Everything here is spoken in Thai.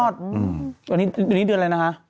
ตอนนี้เดือนอะไรนะคะ